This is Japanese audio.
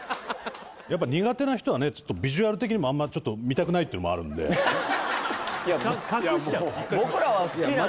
やっぱ苦手な人はねちょっとビジュアル的にもあんまちょっと見たくないっていうのもあるんで隠しちゃうの？